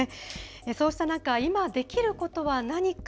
そうした中、今できることは何か。